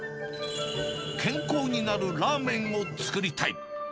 健康になるラーメンを作りたい。